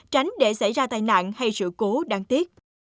tránh để xảy ra tai nạn hay sự cố đáng tiếc